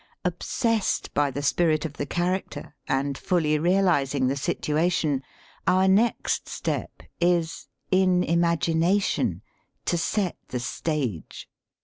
\ Obsessed by the spirit of the character and fully realizing the situation our next step is, in imagination, to set the stage.